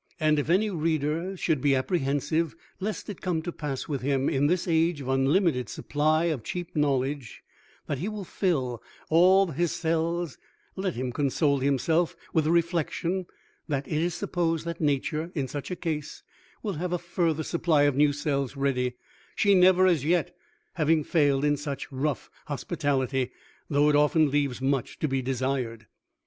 And if any reader should be apprehensive lest it come to pass with him in this age of unlimited supply of cheap knowledge that he will fill all his cells let him console himself with the reflection that it is supposed that Nature, in such a case, will have a further supply of new cells ready, she never, as yet, having failed in such rough hospitality, though it often leaves much to be desired!